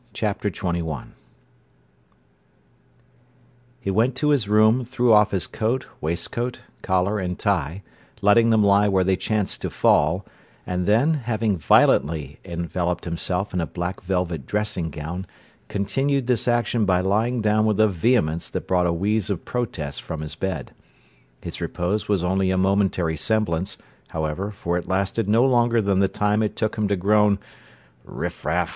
Chapter XXI He went to his room, threw off his coat, waistcoat, collar, and tie, letting them lie where they chanced to fall, and then, having violently enveloped himself in a black velvet dressing gown, continued this action by lying down with a vehemence that brought a wheeze of protest from his bed. His repose was only a momentary semblance, however, for it lasted no longer than the time it took him to groan "Riffraff!"